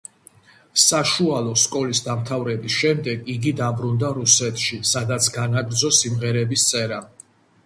საშუალო სკოლის დამთავრების შემდეგ, იგი დაბრუნდა რუსეთში, სადაც განაგრძო სიმღერების წერა.